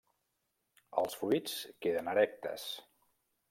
Els fruits queden erectes.